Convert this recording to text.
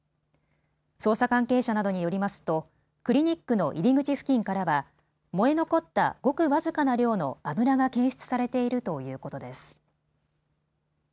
捜査関係者などによりますとクリニックの入り口付近からは燃え残ったごく僅かな量の油が検出されているということです。